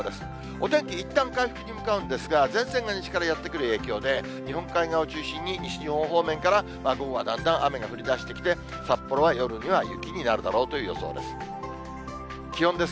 お天気、いったん回復に向かうんですが、前線が西からやって来る影響で、日本海側を中心に西日本方面から、午後はだんだん雨が降りだしてきて、札幌は夜には雪になるだろうという予想です。